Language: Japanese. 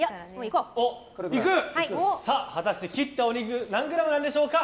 果たして切ったお肉何グラムなんでしょうか。